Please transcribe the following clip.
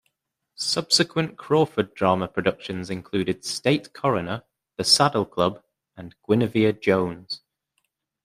Subsequent Crawford drama productions included "State Coroner", "The Saddle Club", and "Guinevere Jones".